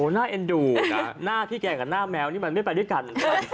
หน้าเอ็นดูก็นะหน้าพี่แกะกับหน้าแมวมันไม่มีไปด้วยกัน